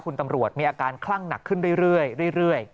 คุณตำรวจมีอาการคลั่งหนักขึ้นเรื่อย